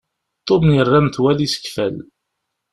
Tom yerra metwal isekfal.